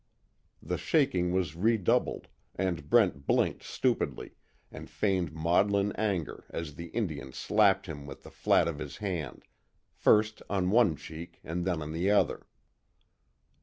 The shaking was redoubled, and Brent blinked stupidly, and feigned maudlin anger as the Indian slapped him with the flat of his hand, first on one cheek and then on the other.